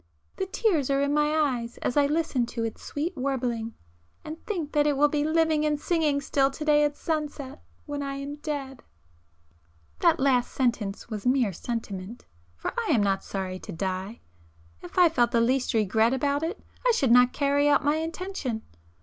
The tears are in my eyes as I listen to its sweet warbling, and think that it will be living and singing still to day at sunset when I am dead! ····· That last sentence was mere sentiment, for I am not sorry to die. If I felt the least regret about it I should not carry out my intention.